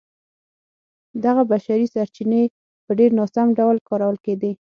دغه بشري سرچینې په ډېر ناسم ډول کارول کېدې.